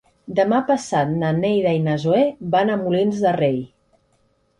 Demà passat na Neida i na Zoè van a Molins de Rei.